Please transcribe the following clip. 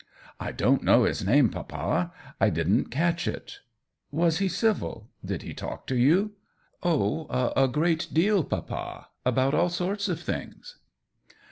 " I don't know his name, papa — I didn't catch it." " Was he civil — did he talk to you ?"" Oh, a great deal, papa — about all sorts of things."